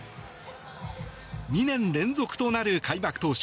２年連続となる開幕投手